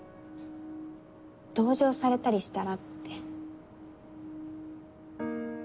同情されたりしたらって。